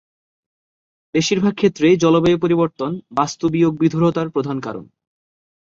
বেশিরভাগ ক্ষেত্রেই জলবায়ু পরিবর্তন বাস্তু-বিয়োগবিধুরতার প্রধান কারণ।